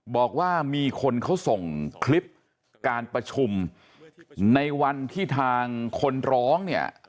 บอกว่ามีคนเขาส่งคลิปการประชุมในวันที่ทางคนร้องเนี่ย